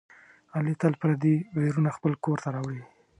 علي تل پردي ویرونه خپل کورته راوړي.